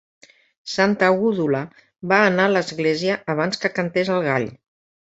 Santa Gúdula va anar a l'església abans que cantés el gall.